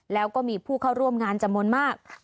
แล้วก็มีผู้เข้าร่วมงานจำนวนมาก